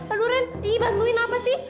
aduh ren ini bantuin apa sih